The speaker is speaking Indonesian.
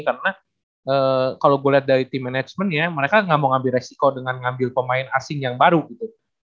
karena kalau gue lihat dari team managementnya mereka gak mau ambil resiko dengan ngambil pemain asing yang baru gitu